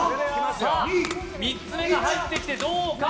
さあ３つ目が入ってきてどうか？